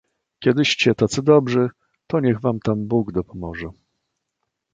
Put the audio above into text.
"kiedyście tacy dobrzy, to niech wam tam Bóg dopomoże."